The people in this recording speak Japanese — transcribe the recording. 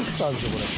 これ。